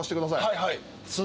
はいはい。